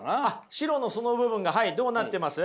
白のその部分がどうなってます？